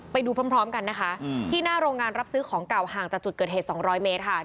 ไปดูพร้อมกันนะคะที่หน้าโรงงานรับซื้อของเก่าห่างจากจุดเกิดเหตุ๒๐๐เมตรค่ะ